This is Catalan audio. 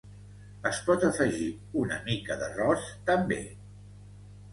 Es pot afegir una mica d'arròs també.